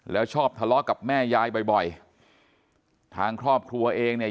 แล้วชอบทะเลาะกับแม่ยายบ่อยบ่อยทางครอบครัวเองเนี่ย